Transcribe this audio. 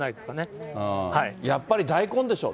やっぱり大根でしょう。